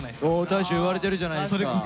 大昇言われてるじゃないですか。